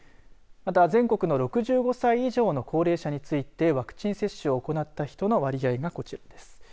また、全国の６５歳以上の高齢者についてワクチン接種を行った人の割合がこちらです。